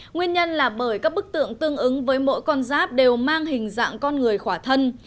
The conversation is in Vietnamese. nguyên nhân là bởi các bức tượng tương ứng với mỗi con giáp đều mang hình dạng con người khỏa thân